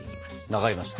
分かりました。